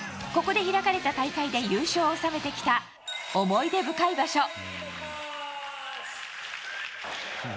ここで開かれた大会で優勝を収めてきた思い出深い場所。